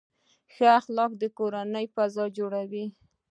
ښه اخلاق د کورنۍ فضا خوږوي.